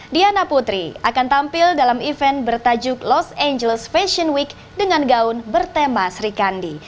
diana putri akan tampil dalam event bertajuk los angeles fashion week dengan gaun bertema sri kandi